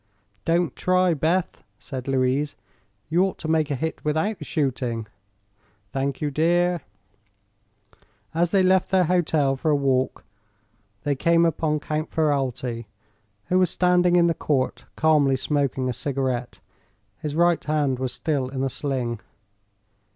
"Don't try, Beth," said Louise; "you ought to make a hit without shooting." "Thank you, dear." As they left their hotel for a walk they came upon Count Ferralti, who was standing in the court calmly smoking a cigarette. His right hand was still in a sling.